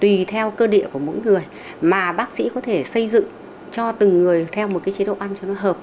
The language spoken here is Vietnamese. tùy theo cơ địa của mỗi người mà bác sĩ có thể xây dựng cho từng người theo một cái chế độ ăn cho nó hợp